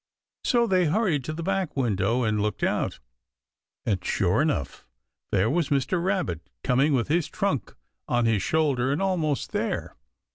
So they hurried to the back window and looked out, and sure enough there was Mr. Rabbit coming with his trunk on his shoulder and almost there.